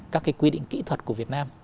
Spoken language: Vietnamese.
các cái quy định kỹ thuật của việt nam